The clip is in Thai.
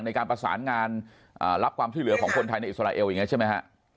ในการประสานงานรับความช่วยเหลือของคนไทยในอิสราเอลอย่างนี้ใช่ไหมฮะ